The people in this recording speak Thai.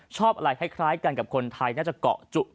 ชอบอะไรคล้ายกันกับคนไทยน่าจะเกาะจุ